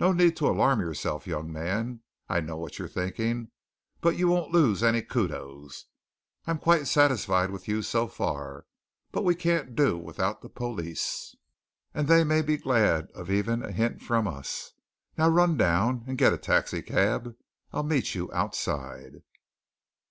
No need to alarm yourself, young man I know what you're thinking. But you won't lose any 'kudos' I'm quite satisfied with you so far. But we can't do without the police and they may be glad of even a hint from us. Now run down and get a taxi cab and I'll meet you outside."